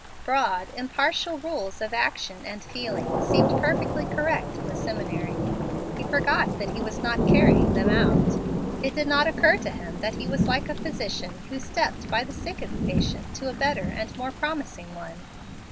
Broad, impartial rules of action and feeling seemed perfectly correct in the seminary. He forgot that he was not carrying them out. It did not occur to him that he was like a physician who stepped by the sickest patient to a better and more promising one.